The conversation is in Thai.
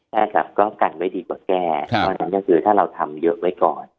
ใช่ครับก็กันไว้ดีกว่าแก่คือถ้าเราทำเยอะไว้ก่อน